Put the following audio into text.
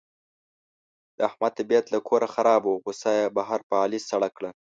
د احمد طبیعت له کوره خراب و، غوسه یې بهر په علي سړه کړه.